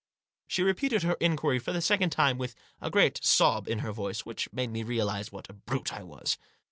She repeated her inquiry for the second time with a great sob in her voice, which made me realise what a brute I was.